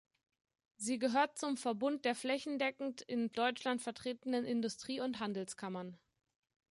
Sie gehört zum Verbund der flächendeckend in Deutschland vertretenen Industrie- und Handelskammern.